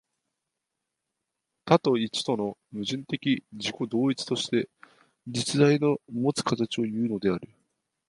多と一との矛盾的自己同一として、実在のもつ形をいうのである。